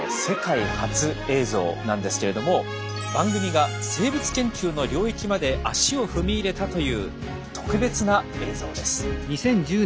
世界初映像なんですけれども番組が生物研究の領域まで足を踏み入れたという特別な映像です。